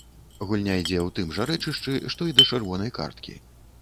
Гульня ідзе ў тым жа рэчышчы, што і да чырвонай карткі.